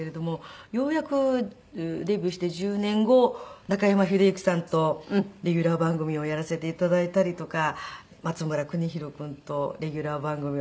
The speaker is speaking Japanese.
ようやくデビューして１０年後中山秀征さんとレギュラー番組をやらせて頂いたりとか松村邦洋君とレギュラー番組をやらせて頂けるようになって。